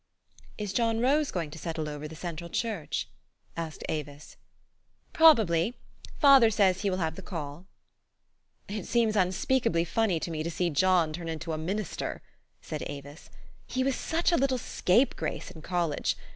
"Is John Rose going to settle over the Central Church?" asked Avis. " Probably. Father says he will have the call." " It seems unspeakably funny to me to see John turn into a minister," said Avis. " He was such a little scapegrace in college